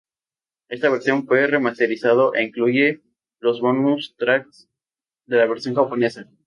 Esta versión fue remasterizado e incluye los bonus tracks de la versión japonesa.